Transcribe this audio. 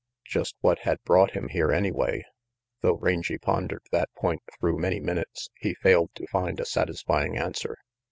Just what had brought him here anyway? Though Rangy pondered that point through many minutes, he failed to find a satisfying answer.